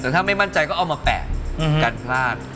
แต่ถ้าไม่มั่นใจก็เอามาแปะกันพลาด